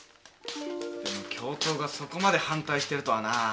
でも教頭がそこまで反対してるとはな。